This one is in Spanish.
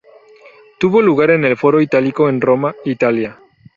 Tuvo lugar en el Foro Itálico en Roma, Italia.